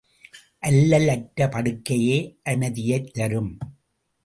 அல்லல் அற்ற படுக்கையே அமைதியைத் தரும்.